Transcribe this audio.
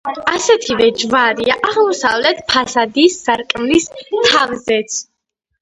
ასეთივე ჯვარია აღმოსავლეთ ფასადის სარკმლის თავზეც.